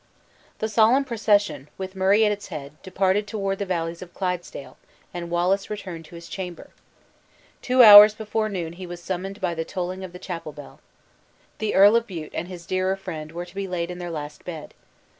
The solemn procession, with Murray at its head, departed toward the valleys of Clydesdale, and Wallace returned to his chamber. Two hours before noon he was summoned by the tolling of the chapel bell. The Earl of Bute and his dearer friend were to be laid in their last bed.